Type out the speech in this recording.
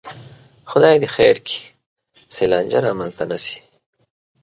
خدای دې خیر کړي، چې لانجه را منځته نشي